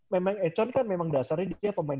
memang econ kan memang dasarnya dia pemain